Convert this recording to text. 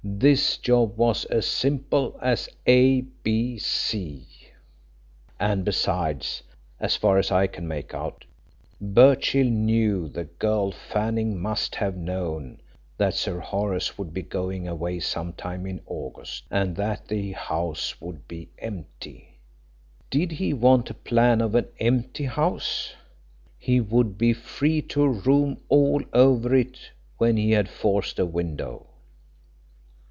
This job was as simple as A B C. And besides, as far as I can make out, Birchill knew the girl Fanning must have known that Sir Horace would be going away some time in August and that the house would be empty. Did he want a plan of an empty house? He would be free to roam all over it when he had forced a window."